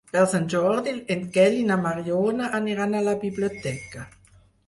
Per Sant Jordi en Quel i na Mariona aniran a la biblioteca.